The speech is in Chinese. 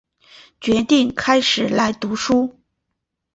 决定开始来读书